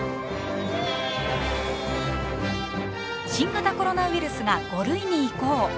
新型コロナウイルスが５類に移行。